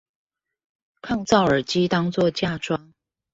抗噪耳機當作嫁妝